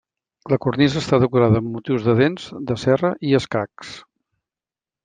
La cornisa està decorada amb motius de dents de serra i escacs.